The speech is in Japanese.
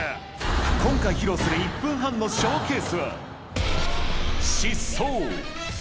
今回、披露する１分半のショーケースは、疾走。